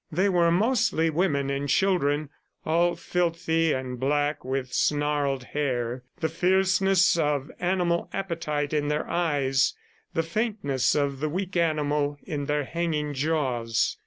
They were mostly women and children, all filthy and black, with snarled hair, the fierceness of animal appetite in their eyes the faintness of the weak animal in their hanging jaws.